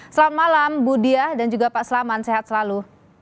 selamat malam bu diah dan juga pak selamat sehat selalu